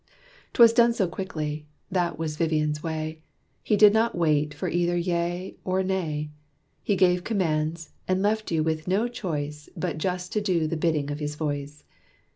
'T was done so quickly: that was Vivian's way. He did not wait for either yea or nay. He gave commands, and left you with no choice But just to do the bidding of his voice.